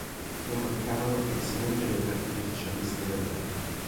Non mancavano ex-membri del Partito Socialista Italiano.